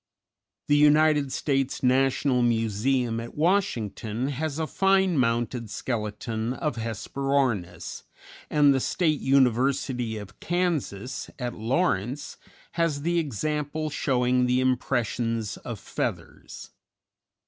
The United States National Museum at Washington has a fine mounted skeleton of Hesperornis, and the State University of Kansas, at Lawrence, has the example showing the impressions of feathers.